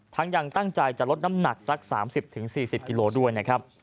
ยังตั้งใจจะลดน้ำหนักสัก๓๐๔๐กิโลด้วยนะครับ